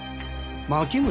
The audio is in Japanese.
牧村？